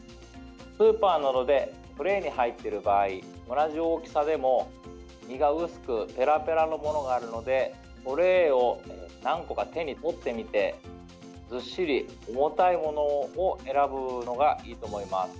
スーパーなどでトレーに入っている場合は同じ大きさでも身が薄くペラペラのものがあるのでトレーを何個か手に取ってみてずっしり重たいものを選ぶのがいいと思います。